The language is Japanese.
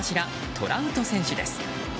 トラウト選手です。